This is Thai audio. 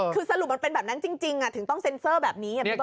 คือสรุปมันเป็นแบบนั้นจริงถึงต้องเซ็นเซอร์แบบนี้พี่เบ